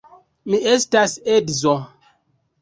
Mi estas edzo.